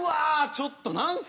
ちょっとなんすか？